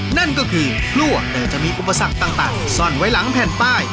นั่นก็คือพลั่วแต่จะมีอุปสรรคต่างซ่อนไว้หลังแผ่นป้าย